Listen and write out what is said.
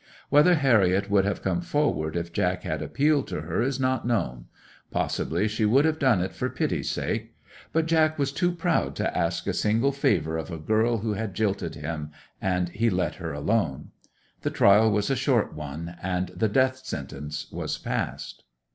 Whether Harriet would have come forward if Jack had appealed to her is not known; possibly she would have done it for pity's sake; but Jack was too proud to ask a single favour of a girl who had jilted him; and he let her alone. The trial was a short one, and the death sentence was passed.